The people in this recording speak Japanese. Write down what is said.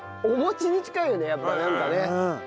おもちに近いよねやっぱりなんかね。